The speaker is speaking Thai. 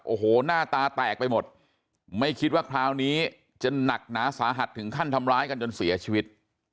โอ้โหหน้าตาแตกไปหมดไม่คิดว่าคราวนี้จะหนักหนาสาหัสถึงขั้นทำร้ายกันจนเสียชีวิต